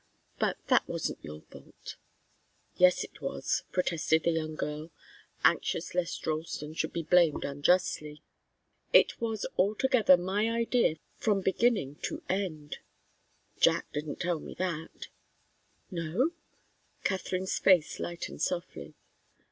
But that wasn't your fault." "Yes, it was," protested the young girl, anxious lest Ralston should be blamed unjustly. "It was altogether my idea from beginning to end " "Jack didn't tell me that " "No?" Katharine's face lightened softly.